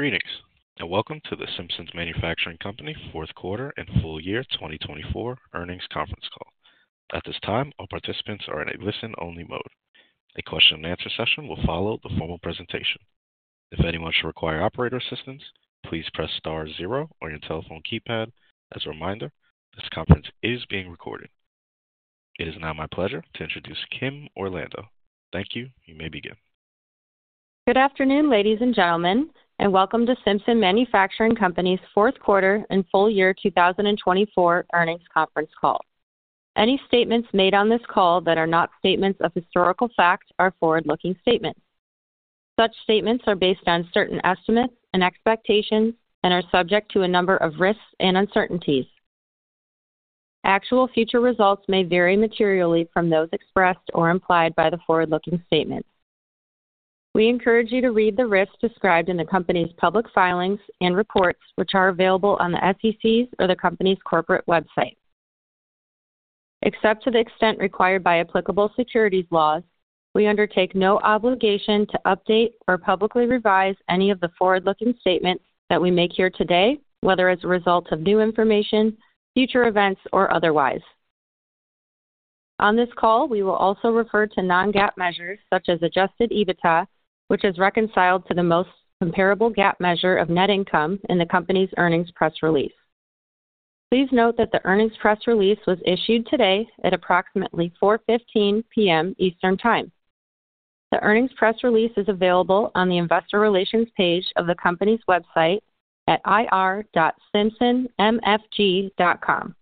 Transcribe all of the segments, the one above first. Greetings, and welcome to the Simpson Manufacturing Company fourth quarter and full year 2024 earnings conference call. At this time, all participants are in a listen-only mode. A question and answer session will follow the formal presentation. If anyone should require operator assistance, please press star zero on your telephone keypad. As a reminder, this conference is being recorded. It is now my pleasure to introduce Kim Orlando. Thank you. You may begin. Good afternoon, ladies and gentlemen, and welcome to Simpson Manufacturing Company's fourth quarter and full year 2024 earnings conference call. Any statements made on this call that are not statements of historical fact are forward-looking statements. Such statements are based on certain estimates and expectations and are subject to a number of risks and uncertainties. Actual future results may vary materially from those expressed or implied by the forward-looking statements. We encourage you to read the risks described in the company's public filings and reports, which are available on the SEC's or the company's corporate website. Except to the extent required by applicable securities laws, we undertake no obligation to update or publicly revise any of the forward-looking statements that we make here today, whether as a result of new information, future events, or otherwise. On this call, we will also refer to non-GAAP measures such as Adjusted EBITDA, which is reconciled to the most comparable GAAP measure of net income in the company's earnings press release. Please note that the earnings press release was issued today at approximately 4:15 P.M. Eastern Time. The earnings press release is available on the Investor Relations page of the company's website at ir.simpsonmfg.com.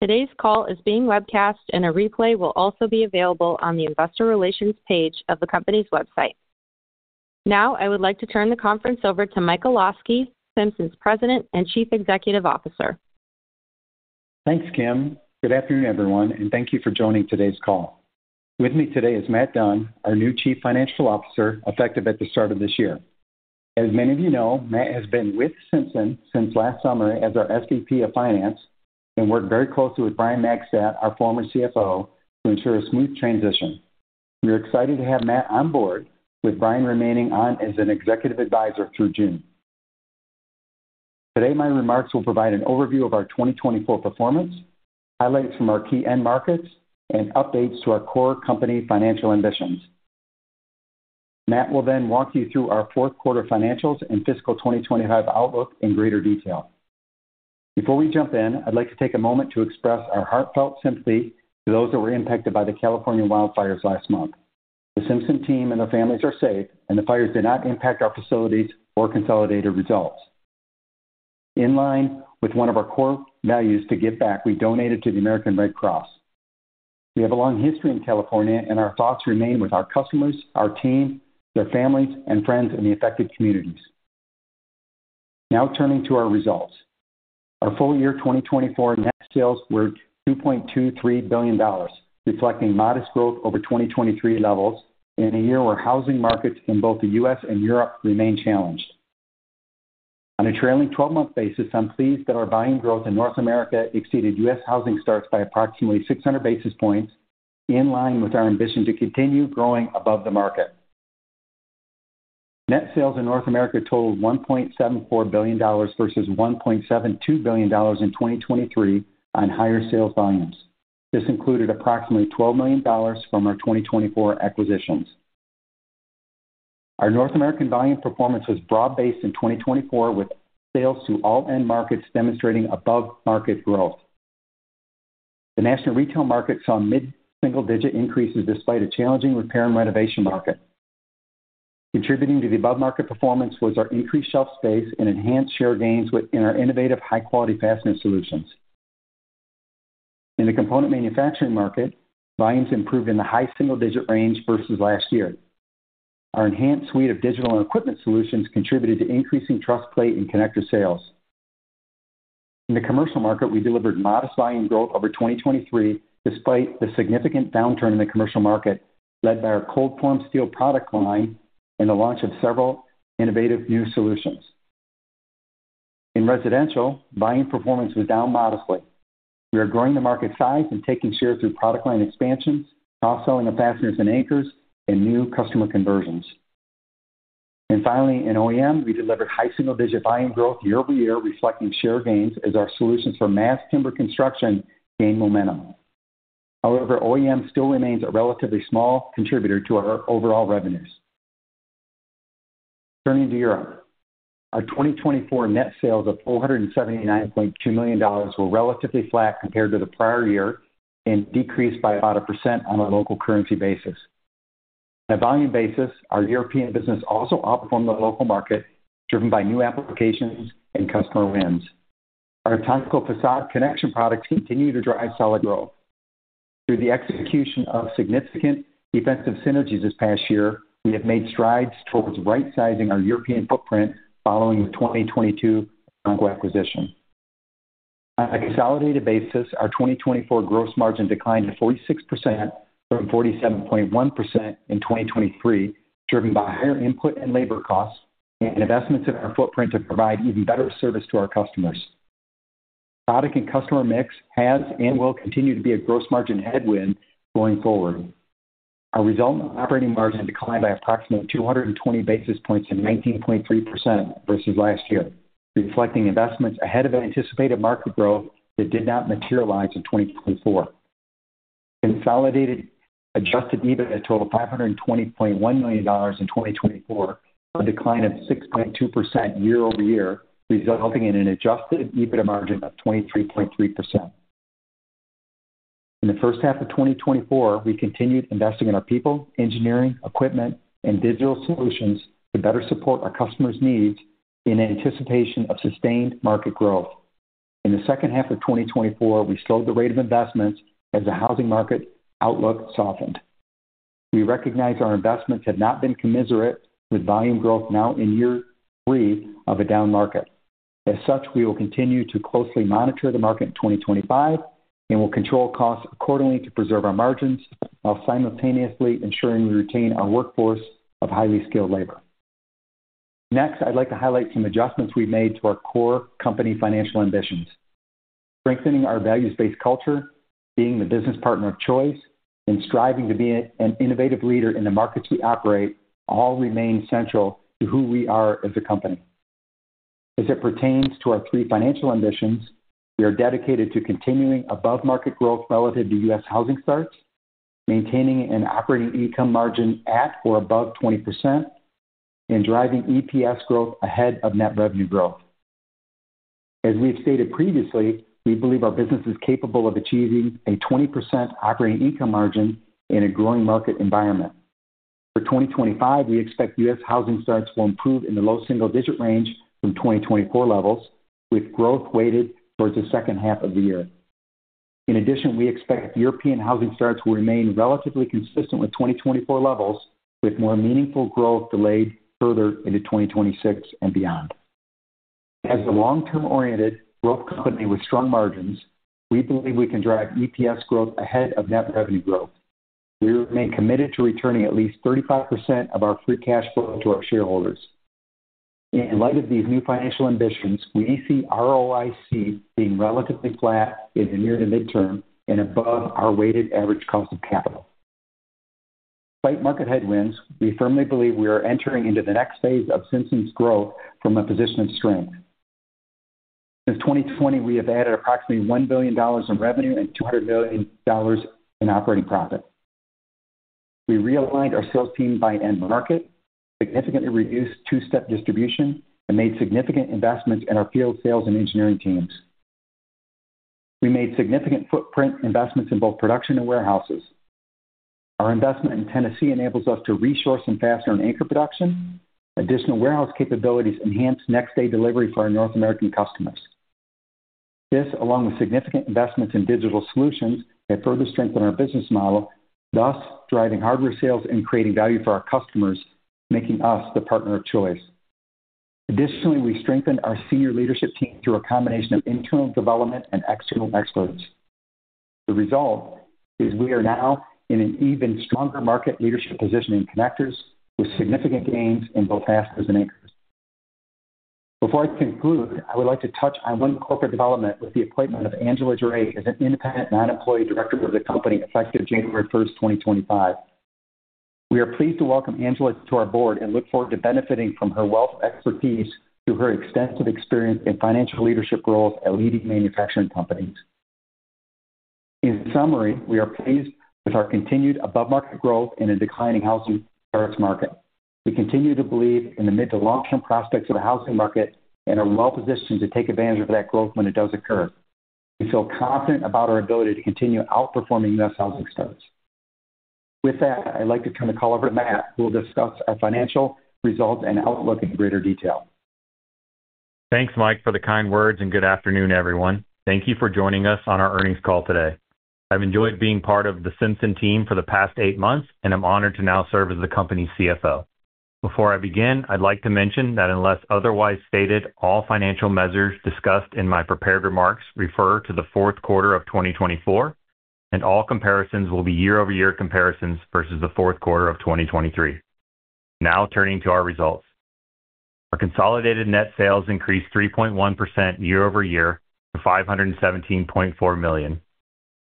Today's call is being webcast, and a replay will also be available on the Investor Relations page of the company's website. Now, I would like to turn the conference over to Mike Olosky, Simpson's President and Chief Executive Officer. Thanks, Kim. Good afternoon, everyone, and thank you for joining today's call. With me today is Matt Dunn, our new Chief Financial Officer, effective at the start of this year. As many of you know, Matt has been with Simpson since last summer as our SVP of Finance and worked very closely with Brian Magstadt, our former CFO, to ensure a smooth transition. We are excited to have Matt on board, with Brian remaining on as an executive advisor through June. Today, my remarks will provide an overview of our 2024 performance, highlights from our key end markets, and updates to our core company financial ambitions. Matt will then walk you through our fourth quarter financials and fiscal 2025 outlook in greater detail. Before we jump in, I'd like to take a moment to express our heartfelt sympathy to those that were impacted by the California wildfires last month. The Simpson team and their families are safe, and the fires did not impact our facilities or consolidated results. In line with one of our core values to give back, we donated to the American Red Cross. We have a long history in California, and our thoughts remain with our customers, our team, their families, and friends in the affected communities. Now, turning to our results, our full year 2024 net sales were $2.23 billion, reflecting modest growth over 2023 levels in a year where housing markets in both the U.S. and Europe remain challenged. On a trailing 12-month basis, I'm pleased that our billing growth in North America exceeded U.S. housing starts by approximately 600 basis points, in line with our ambition to continue growing above the market. Net sales in North America totaled $1.74 billion versus $1.72 billion in 2023 on higher sales volumes. This included approximately $12 million from our 2024 acquisitions. Our North American billing performance was broad-based in 2024, with sales to all end markets demonstrating above-market growth. The national retail market saw mid-single-digit increases despite a challenging repair and renovation market. Contributing to the above-market performance was our increased shelf space and enhanced share gains in our innovative high-quality fastening solutions. In the component manufacturing market, volumes improved in the high single-digit range versus last year. Our enhanced suite of digital and equipment solutions contributed to increasing truss plate and connector sales. In the commercial market, we delivered modest billing growth over 2023 despite the significant downturn in the commercial market led by our cold-formed steel product line and the launch of several innovative new solutions. In residential, billing performance was down modestly. We are growing the market size and taking share through product line expansions, cross-selling of fasteners and anchors, and new customer conversions. And finally, in OEM, we delivered high single-digit billing growth year-over-year, reflecting share gains as our solutions for mass timber construction gained momentum. However, OEM still remains a relatively small contributor to our overall revenues. Turning to Europe, our 2024 net sales of $479.2 million were relatively flat compared to the prior year and decreased by about 1% on a local currency basis. On a volume basis, our European business also outperformed the local market, driven by new applications and customer wins. Our Etanco facade connection products continue to drive solid growth. Through the execution of significant defensive synergies this past year, we have made strides towards right-sizing our European footprint following the 2022 acquisition. On a consolidated basis, our 2024 gross margin declined to 46% from 47.1% in 2023, driven by higher input and labor costs and investments in our footprint to provide even better service to our customers. Product and customer mix has and will continue to be a gross margin headwind going forward. Our resulting operating margin declined by approximately 220 basis points and 19.3% versus last year, reflecting investments ahead of anticipated market growth that did not materialize in 2024. Consolidated Adjusted EBITDA totaled $520.1 million in 2024, a decline of 6.2% year-over-year, resulting in an Adjusted EBITDA margin of 23.3%. In the first half of 2024, we continued investing in our people, engineering, equipment, and digital solutions to better support our customers' needs in anticipation of sustained market growth. In the second half of 2024, we slowed the rate of investments as the housing market outlook softened. We recognize our investments have not been commensurate with volume growth now in year three of a down market. As such, we will continue to closely monitor the market in 2025 and will control costs accordingly to preserve our margins while simultaneously ensuring we retain our workforce of highly skilled labor. Next, I'd like to highlight some adjustments we've made to our core company financial ambitions. Strengthening our values-based culture, being the business partner of choice, and striving to be an innovative leader in the markets we operate all remain central to who we are as a company. As it pertains to our three financial ambitions, we are dedicated to continuing above-market growth relative to U.S. housing starts, maintaining an operating income margin at or above 20%, and driving EPS growth ahead of net revenue growth. As we've stated previously, we believe our business is capable of achieving a 20% operating income margin in a growing market environment. For 2025, we expect U.S. housing starts will improve in the low single-digit range from 2024 levels, with growth weighted towards the second half of the year. In addition, we expect European housing starts will remain relatively consistent with 2024 levels, with more meaningful growth delayed further into 2026 and beyond. As a long-term-oriented, growth company with strong margins, we believe we can drive EPS growth ahead of net revenue growth. We remain committed to returning at least 35% of our free cash flow to our shareholders. In light of these new financial ambitions, we see ROIC being relatively flat in the near to midterm and above our weighted average cost of capital. Despite market headwinds, we firmly believe we are entering into the next phase of Simpson's growth from a position of strength. Since 2020, we have added approximately $1 billion in revenue and $200 million in operating profit. We realigned our sales team by end market, significantly reduced two-step distribution, and made significant investments in our field sales and engineering teams. We made significant footprint investments in both production and warehouses. Our investment in Tennessee enables us to reshore our fastener and anchor production. Additional warehouse capabilities enhance next-day delivery for our North American customers. This, along with significant investments in digital solutions, have further strengthened our business model, thus driving hardware sales and creating value for our customers, making us the partner of choice. Additionally, we strengthened our senior leadership team through a combination of internal development and external experts. The result is we are now in an even stronger market leadership position in connectors, with significant gains in both fasteners and anchors. Before I conclude, I would like to touch on one corporate development with the appointment of Angela Drake as an independent non-employee director of the company, effective January 1st, 2025. We are pleased to welcome Angela to our board and look forward to benefiting from her wealth of expertise through her extensive experience in financial leadership roles at leading manufacturing companies. In summary, we are pleased with our continued above-market growth in a declining housing starts market. We continue to believe in the mid to long-term prospects of the housing market and are well-positioned to take advantage of that growth when it does occur. We feel confident about our ability to continue outperforming U.S. housing starts. With that, I'd like to turn the call over to Matt, who will discuss our financial results and outlook in greater detail. Thanks, Mike, for the kind words, and good afternoon, everyone. Thank you for joining us on our earnings call today. I've enjoyed being part of the Simpson team for the past eight months, and I'm honored to now serve as the company's CFO. Before I begin, I'd like to mention that unless otherwise stated, all financial measures discussed in my prepared remarks refer to the fourth quarter of 2024, and all comparisons will be year-over-year comparisons versus the fourth quarter of 2023. Now, turning to our results. Our consolidated net sales increased 3.1% year-over-year to $517.4 million.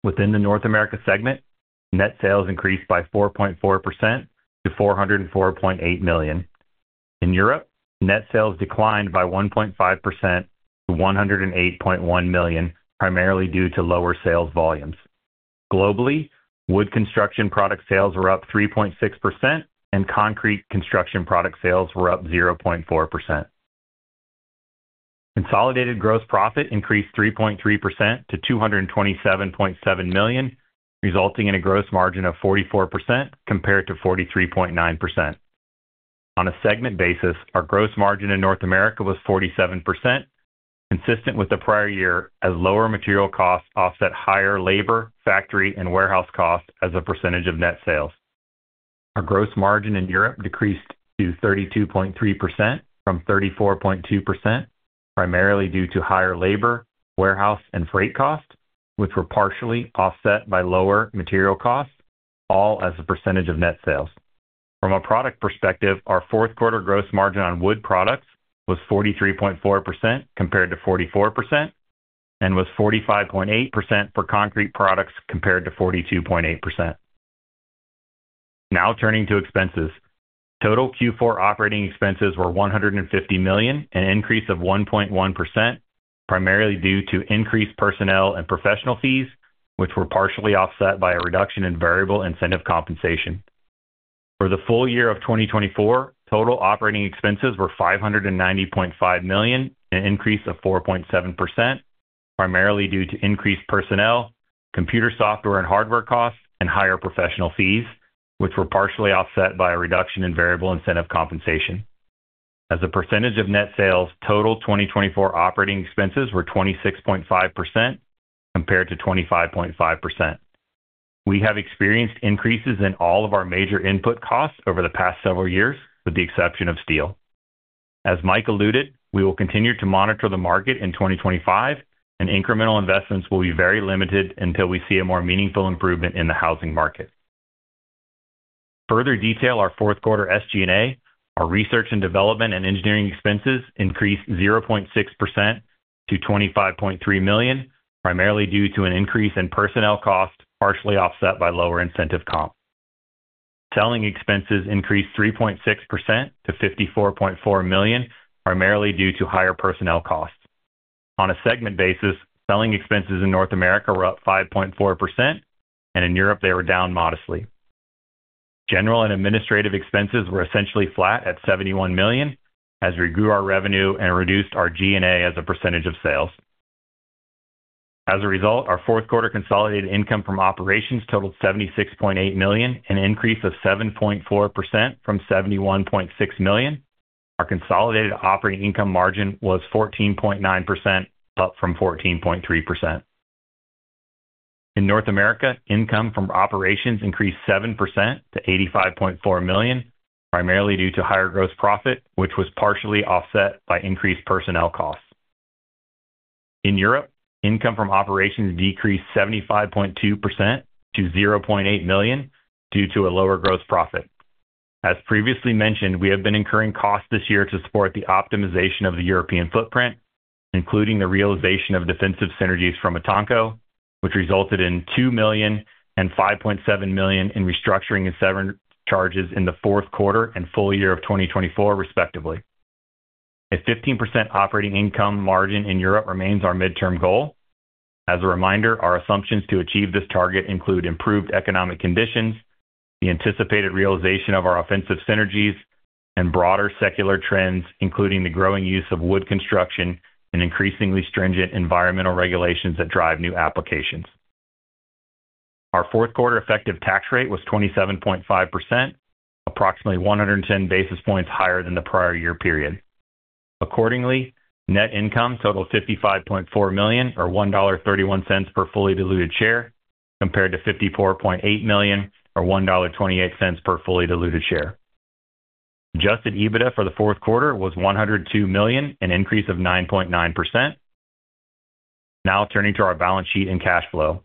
Within the North America segment, net sales increased by 4.4% to $404.8 million. In Europe, net sales declined by 1.5% to $108.1 million, primarily due to lower sales volumes. Globally, wood construction product sales were up 3.6%, and concrete construction product sales were up 0.4%. Consolidated gross profit increased 3.3% to $227.7 million, resulting in a gross margin of 44% compared to 43.9%. On a segment basis, our gross margin in North America was 47%, consistent with the prior year, as lower material costs offset higher labor, factory, and warehouse costs as a percentage of net sales. Our gross margin in Europe decreased to 32.3% from 34.2%, primarily due to higher labor, warehouse, and freight costs, which were partially offset by lower material costs, all as a percentage of net sales. From a product perspective, our fourth quarter gross margin on wood products was 43.4% compared to 44%, and was 45.8% for concrete products compared to 42.8%. Now, turning to expenses. Total Q4 operating expenses were $150 million, an increase of 1.1%, primarily due to increased personnel and professional fees, which were partially offset by a reduction in variable incentive compensation. For the full year of 2024, total operating expenses were $590.5 million, an increase of 4.7%, primarily due to increased personnel, computer software and hardware costs, and higher professional fees, which were partially offset by a reduction in variable incentive compensation. As a percentage of net sales, total 2024 operating expenses were 26.5% compared to 25.5%. We have experienced increases in all of our major input costs over the past several years, with the exception of steel. As Mike alluded, we will continue to monitor the market in 2025, and incremental investments will be very limited until we see a more meaningful improvement in the housing market. To further detail our fourth quarter SG&A, our research and development and engineering expenses increased 0.6% to $25.3 million, primarily due to an increase in personnel costs partially offset by lower incentive comp. Selling expenses increased 3.6% to $54.4 million, primarily due to higher personnel costs. On a segment basis, selling expenses in North America were up 5.4%, and in Europe, they were down modestly. General and administrative expenses were essentially flat at $71 million, as we grew our revenue and reduced our G&A as a percentage of sales. As a result, our fourth quarter consolidated income from operations totaled $76.8 million, an increase of 7.4% from $71.6 million. Our consolidated operating income margin was 14.9%, up from 14.3%. In North America, income from operations increased 7% to $85.4 million, primarily due to higher gross profit, which was partially offset by increased personnel costs. In Europe, income from operations decreased 75.2% to $0.8 million due to a lower gross profit. As previously mentioned, we have been incurring costs this year to support the optimization of the European footprint, including the realization of defensive synergies from Etanco, which resulted in $2 million and $5.7 million in restructuring and severance charges in the fourth quarter and full year of 2024, respectively. A 15% operating income margin in Europe remains our midterm goal. As a reminder, our assumptions to achieve this target include improved economic conditions, the anticipated realization of our offensive synergies, and broader secular trends, including the growing use of wood construction and increasingly stringent environmental regulations that drive new applications. Our fourth quarter effective tax rate was 27.5%, approximately 110 basis points higher than the prior year period. Accordingly, net income totaled $55.4 million, or $1.31 per fully diluted share, compared to $54.8 million, or $1.28 per fully diluted share. Adjusted EBITDA for the fourth quarter was $102 million, an increase of 9.9%. Now, turning to our balance sheet and cash flow.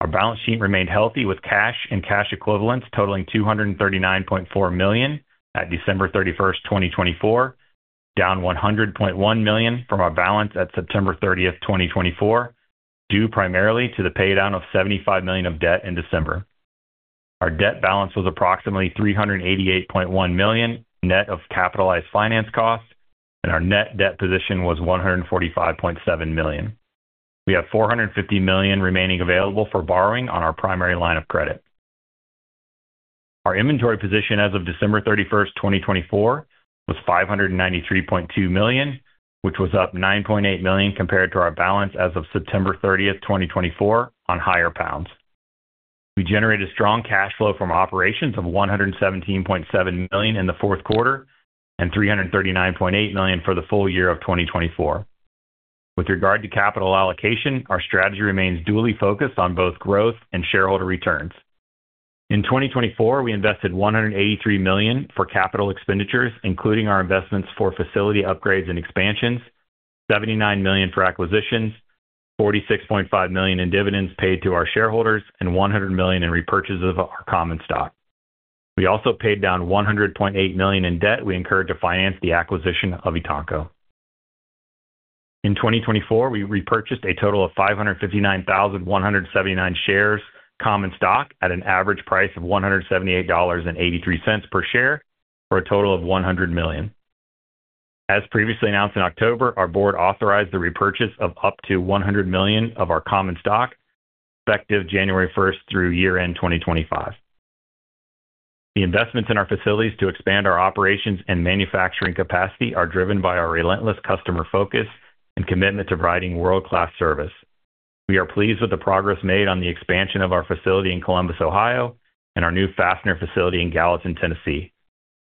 Our balance sheet remained healthy, with cash and cash equivalents totaling $239.4 million at December 31st, 2024, down $100.1 million from our balance at September 30th, 2024, due primarily to the paydown of $75 million of debt in December. Our debt balance was approximately $388.1 million net of capitalized finance costs, and our net debt position was $145.7 million. We have $450 million remaining available for borrowing on our primary line of credit. Our inventory position as of December 31st, 2024, was $593.2 million, which was up $9.8 million compared to our balance as of September 30th, 2024, on higher pounds. We generated strong cash flow from operations of $117.7 million in the fourth quarter and $339.8 million for the full year of 2024. With regard to capital allocation, our strategy remains dually focused on both growth and shareholder returns. In 2024, we invested $183 million for capital expenditures, including our investments for facility upgrades and expansions, $79 million for acquisitions, $46.5 million in dividends paid to our shareholders, and $100 million in repurchase of our common stock. We also paid down $100.8 million in debt we incurred to finance the acquisition of Etanco. In 2024, we repurchased a total of 559,179 shares common stock at an average price of $178.83 per share for a total of $100 million. As previously announced in October, our board authorized the repurchase of up to $100 million of our common stock, effective January 1st through year-end 2025. The investments in our facilities to expand our operations and manufacturing capacity are driven by our relentless customer focus and commitment to providing world-class service. We are pleased with the progress made on the expansion of our facility in Columbus, Ohio, and our new fastener facility in Gallatin, Tennessee.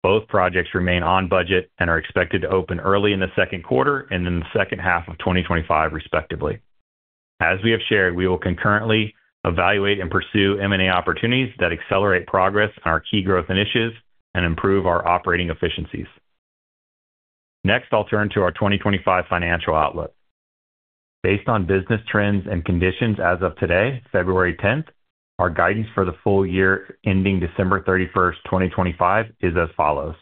Both projects remain on budget and are expected to open early in the second quarter and in the second half of 2025, respectively. As we have shared, we will concurrently evaluate and pursue M&A opportunities that accelerate progress on our key growth initiatives and improve our operating efficiencies. Next, I'll turn to our 2025 financial outlook. Based on business trends and conditions as of today, February 10th, our guidance for the full year ending December 31st, 2025, is as follows.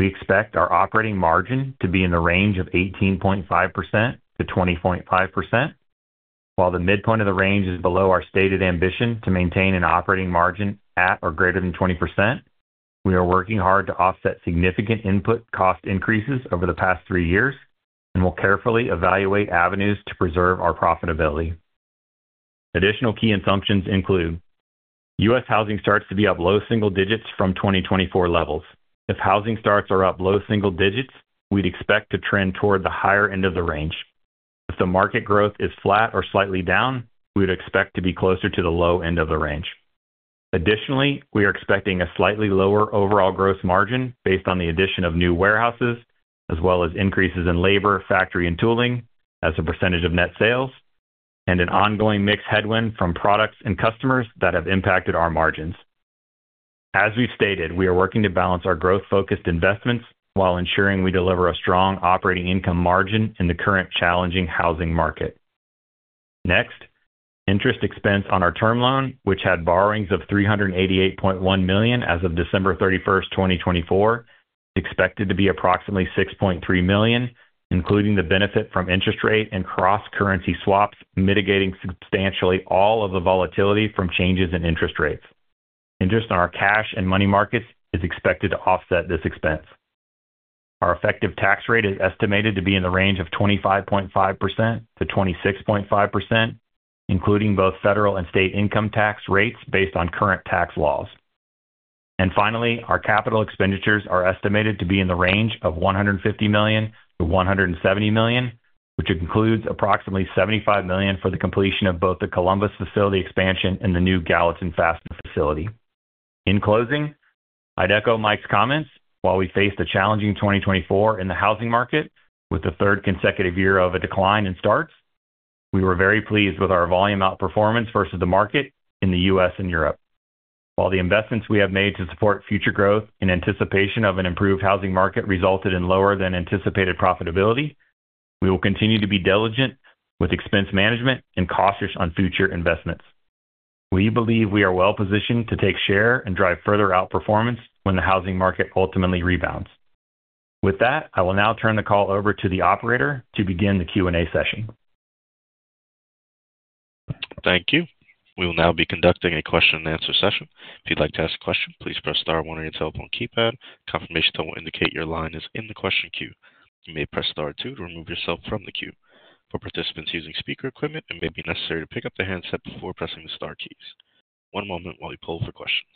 We expect our operating margin to be in the range of 18.5%-20.5%, while the midpoint of the range is below our stated ambition to maintain an operating margin at or greater than 20%. We are working hard to offset significant input cost increases over the past three years and will carefully evaluate avenues to preserve our profitability. Additional key assumptions include: U.S. housing starts to be up low single digits from 2024 levels. If housing starts are up low single digits, we'd expect to trend toward the higher end of the range. If the market growth is flat or slightly down, we would expect to be closer to the low end of the range. Additionally, we are expecting a slightly lower overall gross margin based on the addition of new warehouses, as well as increases in labor, factory, and tooling as a percentage of net sales, and an ongoing mix headwind from products and customers that have impacted our margins. As we've stated, we are working to balance our growth-focused investments while ensuring we deliver a strong operating income margin in the current challenging housing market. Next, interest expense on our term loan, which had borrowings of $388.1 million as of December 31st, 2024, is expected to be approximately $6.3 million, including the benefit from interest rate and cross-currency swaps, mitigating substantially all of the volatility from changes in interest rates. Interest on our cash and money markets is expected to offset this expense. Our effective tax rate is estimated to be in the range of 25.5%-26.5%, including both federal and state income tax rates based on current tax laws, and finally, our capital expenditures are estimated to be in the range of $150 million-$170 million, which includes approximately $75 million for the completion of both the Columbus facility expansion and the new Gallatin fastener facility. In closing, I'd echo Mike's comments: while we face a challenging 2024 in the housing market, with the third consecutive year of a decline in starts, we were very pleased with our volume outperformance versus the market in the U.S. and Europe. While the investments we have made to support future growth in anticipation of an improved housing market resulted in lower than anticipated profitability, we will continue to be diligent with expense management and cautious on future investments. We believe we are well-positioned to take share and drive further outperformance when the housing market ultimately rebounds. With that, I will now turn the call over to the operator to begin the Q&A session. Thank you. We will now be conducting a question and answer session. If you'd like to ask a question, please press star one on your telephone keypad. Confirmation that will indicate your line is in the question queue. You may press star two to remove yourself from the queue. For participants using speaker equipment, it may be necessary to pick up the handset before pressing the star keys. One moment while we poll for questions.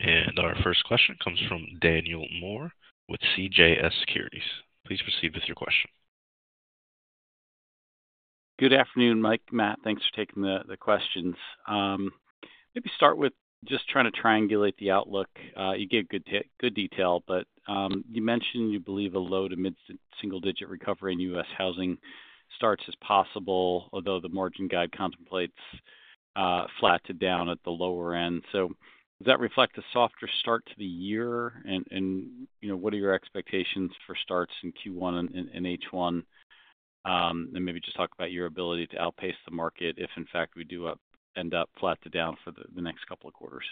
And our first question comes from Daniel Moore with CJS Securities. Please proceed with your question. Good afternoon, Mike, Matt. Thanks for taking the questions. Maybe start with just trying to triangulate the outlook. You gave good detail, but you mentioned you believe a low to mid single-digit recovery in U.S. housing starts is possible, although the margin guide contemplates flat to down at the lower end. So does that reflect a softer start to the year? And what are your expectations for starts in Q1 and H1? And maybe just talk about your ability to outpace the market if, in fact, we do end up flat to down for the next couple of quarters.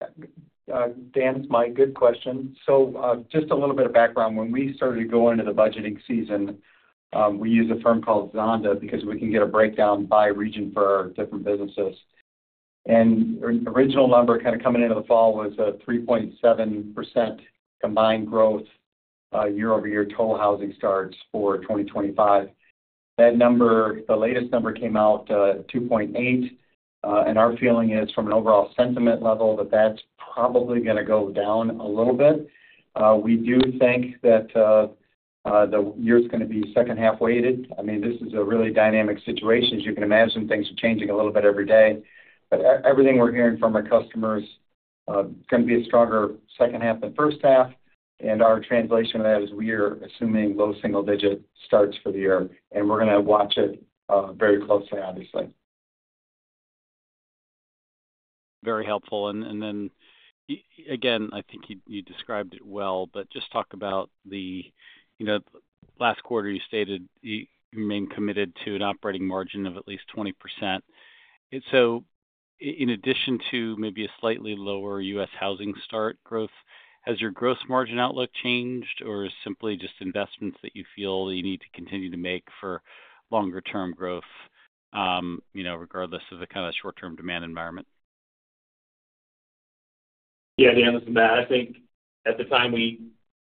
Dan, it's a good question. So just a little bit of background. When we started going into the budgeting season, we use a firm called Zonda because we can get a breakdown by region for our different businesses. And original number kind of coming into the fall was a 3.7% combined growth year-over-year total housing starts for 2025. That number, the latest number came out at 2.8%. And our feeling is from an overall sentiment level that that's probably going to go down a little bit. We do think that the year is going to be second-half weighted. I mean, this is a really dynamic situation. As you can imagine, things are changing a little bit every day. But everything we're hearing from our customers is going to be a stronger second half than first half. And our translation of that is we are assuming low single-digit starts for the year. And we're going to watch it very closely, obviously. Very helpful. And then, again, I think you described it well, but just talk about the last quarter you stated you remained committed to an operating margin of at least 20%. So in addition to maybe a slightly lower U.S. housing start growth, has your gross margin outlook changed, or is it simply just investments that you feel you need to continue to make for longer-term growth, regardless of the kind of short-term demand environment? Yeah, Dan, this is Matt. I think at the time we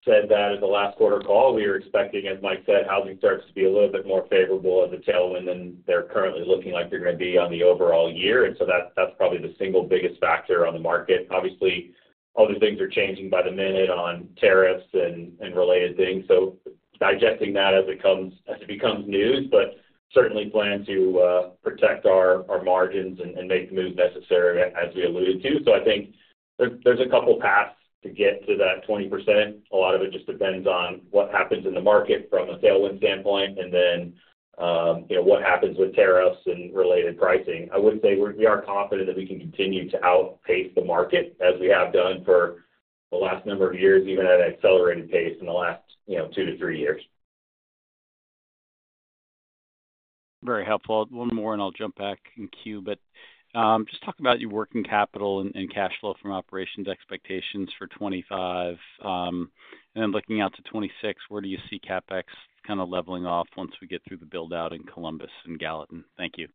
said that at the last quarter call, we were expecting, as Mike said, housing starts to be a little bit more favorable as a tailwind than they're currently looking like they're going to be on the overall year. And so that's probably the single biggest factor on the market. Obviously, other things are changing by the minute on tariffs and related things. So digesting that as it becomes news, but certainly plan to protect our margins and make the moves necessary, as we alluded to. So I think there's a couple of paths to get to that 20%. A lot of it just depends on what happens in the market from a tailwind standpoint and then what happens with tariffs and related pricing. I would say we are confident that we can continue to outpace the market as we have done for the last number of years, even at an accelerated pace in the last two to three years. Very helpful. One more, and I'll jump back in queue. But just talk about your working capital and cash flow from operations expectations for 2025. And then looking out to 2026, where do you see CapEx kind of leveling off once we get through the build-out in Columbus and Gallatin? Thank you.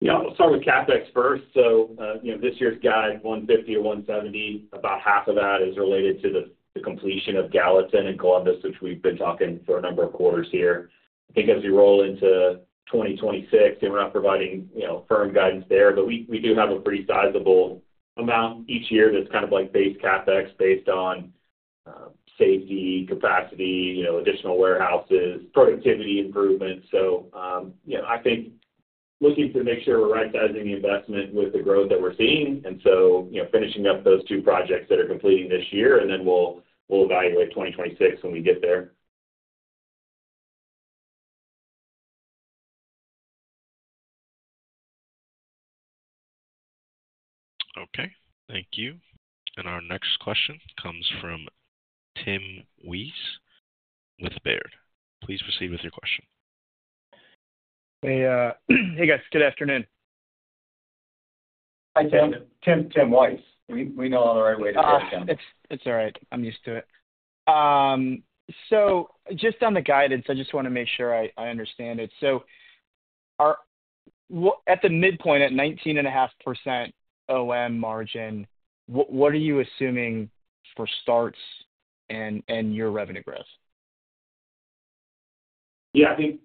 Yeah, I'll start with CapEx first. So this year's guide, $150-$170, about half of that is related to the completion of Gallatin and Columbus, which we've been talking for a number of quarters here. I think as we roll into 2026, we're not providing firm guidance there, but we do have a pretty sizable amount each year that's kind of like base CapEx based on safety, capacity, additional warehouses, productivity improvements. So I think looking to make sure we're right-sizing the investment with the growth that we're seeing. And so finishing up those two projects that are completing this year, and then we'll evaluate 2026 when we get there. Okay. Thank you. And our next question comes from Tim Wojs with Baird. Please proceed with your question. Hey, guys. Good afternoon. Hi, Tim. Tim Wojs. We know all the right way to say it, Tim. It's all right. I'm used to it. So just on the guidance, I just want to make sure I understand it. So at the midpoint, at 19.5% operating margin, what are you assuming for starts and your revenue growth? Yeah, I think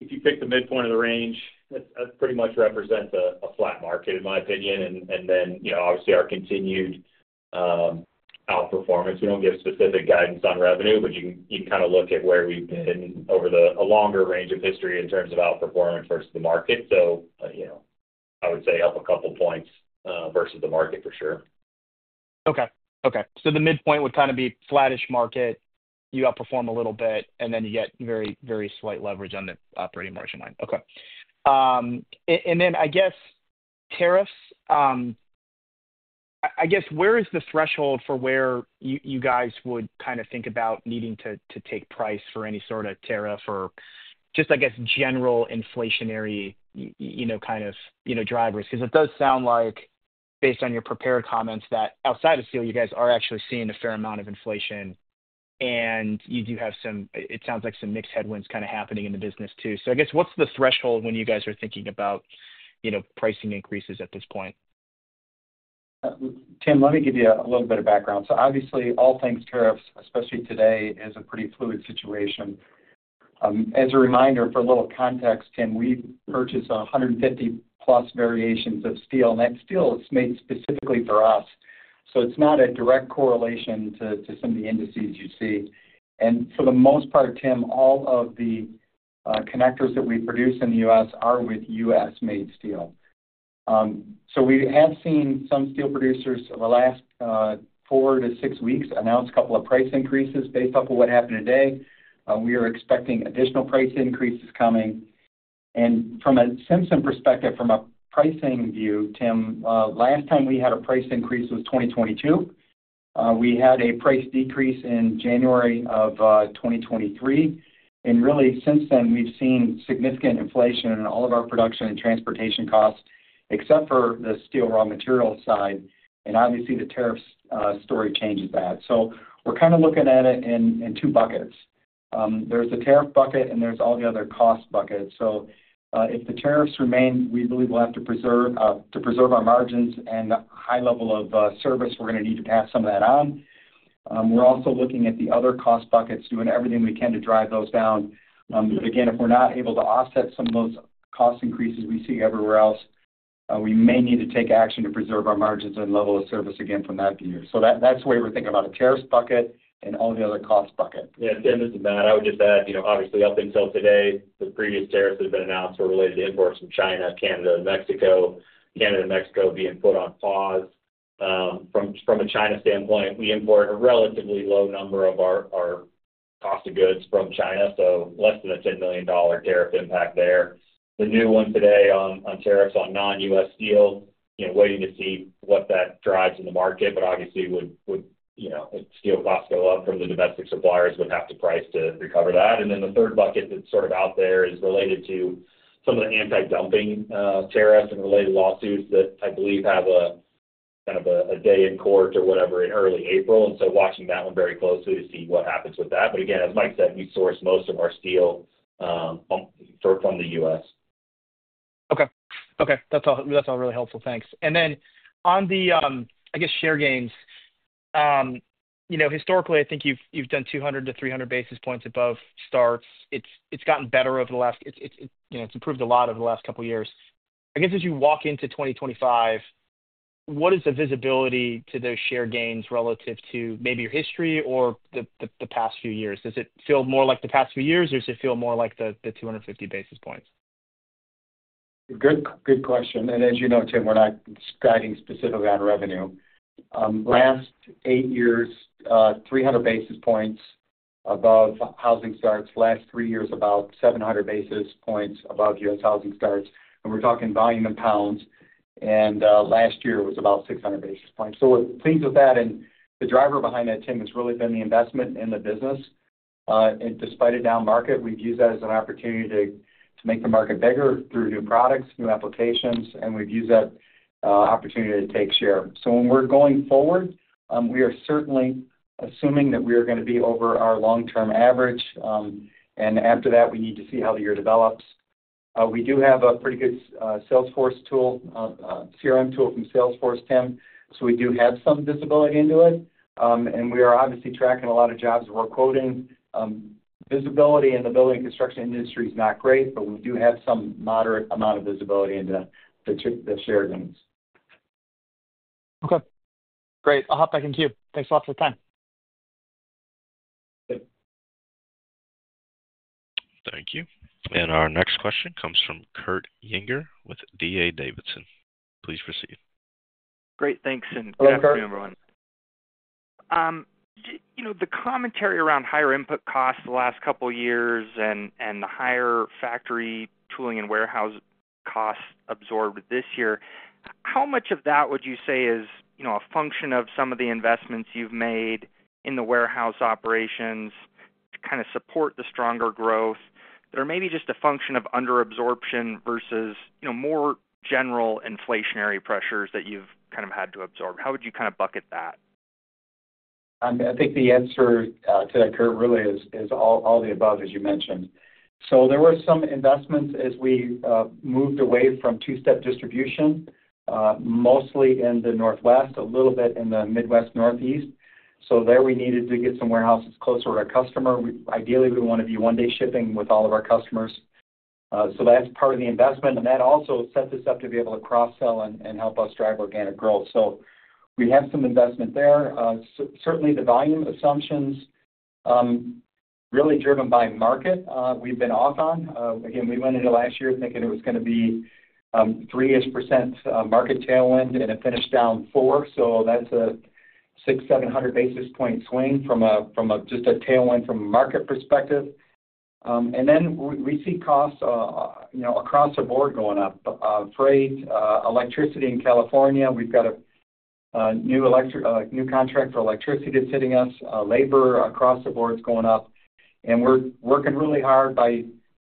if you pick the midpoint of the range, that pretty much represents a flat market, in my opinion. And then, obviously, our continued outperformance. We don't give specific guidance on revenue, but you can kind of look at where we've been over a longer range of history in terms of outperformance versus the market. So I would say up a couple of points versus the market, for sure. Okay. Okay. So the midpoint would kind of be flattish market, you outperform a little bit, and then you get very, very slight leverage on the operating margin line. Okay. And then, I guess, tariffs, I guess, where is the threshold for where you guys would kind of think about needing to take price for any sort of tariff or just, I guess, general inflationary kind of drivers? Because it does sound like, based on your prepared comments, that outside of steel, you guys are actually seeing a fair amount of inflation, and you do have some, it sounds like, some mixed headwinds kind of happening in the business too. So I guess, what's the threshold when you guys are thinking about pricing increases at this point? Tim, let me give you a little bit of background. So obviously, all things tariffs, especially today, is a pretty fluid situation. As a reminder, for a little context, Tim, we purchase 150-plus variations of steel, and that steel is made specifically for us. So it's not a direct correlation to some of the indices you see. And for the most part, Tim, all of the connectors that we produce in the U.S. are with U.S.-made steel. So we have seen some steel producers in the last four to six weeks announce a couple of price increases. Based off of what happened today, we are expecting additional price increases coming. And from a Simpson perspective, from a pricing view, Tim, last time we had a price increase was 2022. We had a price decrease in January of 2023. And really, since then, we've seen significant inflation in all of our production and transportation costs, except for the steel raw material side. And obviously, the tariffs story changes that. So we're kind of looking at it in two buckets. There's the tariff bucket, and there's all the other cost buckets. So if the tariffs remain, we believe we'll have to preserve our margins and the high level of service. We're going to need to pass some of that on. We're also looking at the other cost buckets, doing everything we can to drive those down. But again, if we're not able to offset some of those cost increases we see everywhere else, we may need to take action to preserve our margins and level of service again from that view. So that's the way we're thinking about a tariffs bucket and all the other cost bucket. Yeah, Tim, this is Matt. I would just add, obviously, up until today, the previous tariffs that have been announced were related to imports from China, Canada, and Mexico. Canada and Mexico being put on pause. From a China standpoint, we import a relatively low number of our cost of goods from China, so less than a $10 million tariff impact there. The new one today on tariffs on non-U.S. steel, waiting to see what that drives in the market, but obviously, if steel costs go up from the domestic suppliers, they would have to price to recover that. And then the third bucket that's sort of out there is related to some of the anti-dumping tariffs and related lawsuits that I believe have kind of a day in court or whatever in early April. And so watching that one very closely to see what happens with that. But again, as Mike said, we source most of our steel from the U.S. Okay. Okay. That's all really helpful. Thanks. And then on the, I guess, share gains, historically, I think you've done 200 to 300 basis points above starts. It's gotten better over the last, it's improved a lot over the last couple of years. I guess as you walk into 2025, what is the visibility to those share gains relative to maybe your history or the past few years? Does it feel more like the past few years, or does it feel more like the 250 basis points? Good question, and as you know, Tim, we're not guiding specifically on revenue. Last eight years, 300 basis points above housing starts. Last three years, about 700 basis points above U.S. housing starts, and we're talking volume in pounds, and last year was about 600 basis points, so we're pleased with that, and the driver behind that, Tim, has really been the investment in the business, and despite a down market, we've used that as an opportunity to make the market bigger through new products, new applications, and we've used that opportunity to take share. When we're going forward, we are certainly assuming that we are going to be over our long-term average. After that, we need to see how the year develops. We do have a pretty good Salesforce tool, CRM tool from Salesforce, Tim. We do have some visibility into it. We are obviously tracking a lot of jobs. We're quoting. Visibility in the building and construction industry is not great, but we do have some moderate amount of visibility into the share gains. Okay. Great. I'll hand it back to you. Thanks a lot for the time. Thank you. Our next question comes from Kurt Yinger with D.A. Davidson. Please proceed. Great. Thanks. Good afternoon, everyone. The commentary around higher input costs the last couple of years and the higher factory tooling and warehouse costs absorbed this year, how much of that would you say is a function of some of the investments you've made in the warehouse operations to kind of support the stronger growth? Or maybe just a function of underabsorption versus more general inflationary pressures that you've kind of had to absorb? How would you kind of bucket that? I think the answer to that, Kurt, really is all the above, as you mentioned, so there were some investments as we moved away from two-step distribution, mostly in the Northwest, a little bit in the Midwest, Northeast, so there we needed to get some warehouses closer to our customer. Ideally, we want to be one-day shipping with all of our customers, so that's part of the investment. That also set us up to be able to cross-sell and help us drive organic growth. So we have some investment there. Certainly, the volume assumptions really driven by market, we've been off on. Again, we went into last year thinking it was going to be 3%-ish market tailwind, and it finished down 4%. So that's a 6,700 basis point swing from just a tailwind from a market perspective. And then we see costs across the board going up. Freight, electricity in California, we've got a new contract for electricity that's hitting us. Labor across the board is going up. And we're working really hard by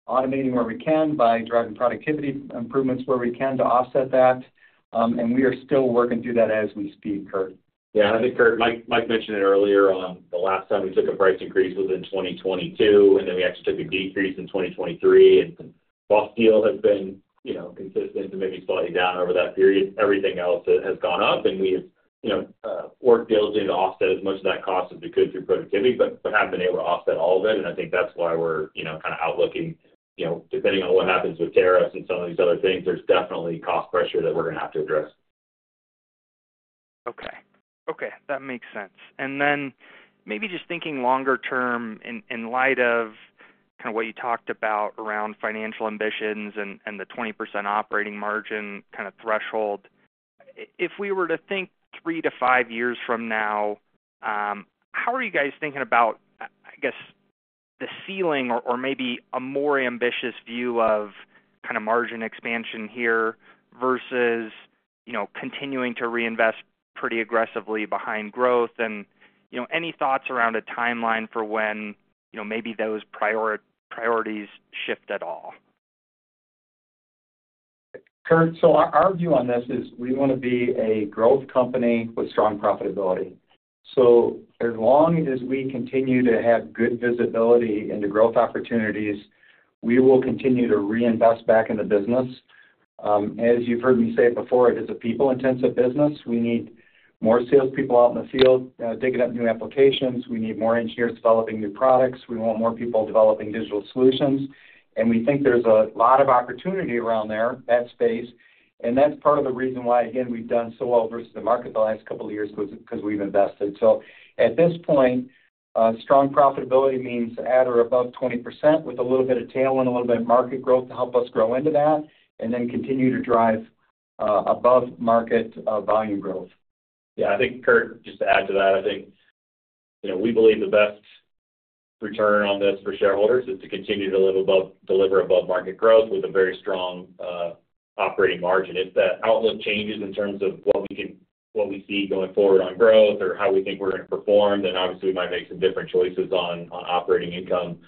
automating where we can, by driving productivity improvements where we can to offset that. And we are still working through that as we speak, Kurt. Yeah. I think, Kurt, Mike mentioned it earlier. The last time we took a price increase was in 2022, and then we actually took a decrease in 2023. And while steel has been consistent and maybe slightly down over that period, everything else has gone up. And we have worked diligently to offset as much of that cost as we could through productivity, but haven't been able to offset all of it. And I think that's why we're kind of outlooking. Depending on what happens with tariffs and some of these other things, there's definitely cost pressure that we're going to have to address. Okay. Okay. That makes sense. Then, maybe just thinking longer term, in light of kind of what you talked about around financial ambitions and the 20% operating margin kind of threshold, if we were to think three to five years from now, how are you guys thinking about, I guess, the ceiling or maybe a more ambitious view of kind of margin expansion here versus continuing to reinvest pretty aggressively behind growth? And any thoughts around a timeline for when maybe those priorities shift at all? Kurt, our view on this is we want to be a growth company with strong profitability. As long as we continue to have good visibility into growth opportunities, we will continue to reinvest back in the business. As you've heard me say it before, it is a people-intensive business. We need more salespeople out in the field digging up new applications. We need more engineers developing new products. We want more people developing digital solutions. And we think there's a lot of opportunity around there, that space. And that's part of the reason why, again, we've done so well versus the market the last couple of years because we've invested. So at this point, strong profitability means at or above 20% with a little bit of tailwind, a little bit of market growth to help us grow into that, and then continue to drive above market volume growth. Yeah. I think, Kurt, just to add to that, I think we believe the best return on this for shareholders is to continue to deliver above market growth with a very strong operating margin. If that outlook changes in terms of what we see going forward on growth or how we think we're going to perform, then obviously, we might make some different choices on operating income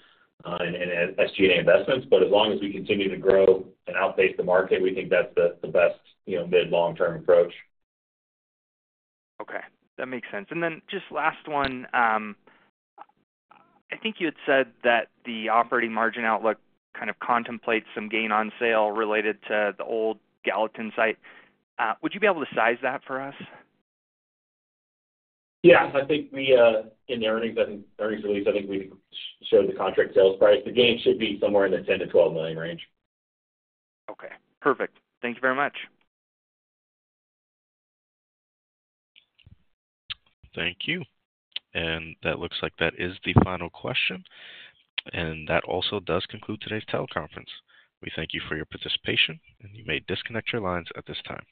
and SG&A investments. But as long as we continue to grow and outpace the market, we think that's the best mid-long-term approach. Okay. That makes sense. And then just last one, I think you had said that the operating margin outlook kind of contemplates some gain on sale related to the old Gallatin site. Would you be able to size that for us? Yes. I think in the earnings release, I think we showed the contract sales price. The gain should be somewhere in the $10 million-$12 million range. Okay. Perfect. Thank you very much. Thank you. And that looks like that is the final question. And that also does conclude today's teleconference. We thank you for your participation, and you may disconnect your lines at this time.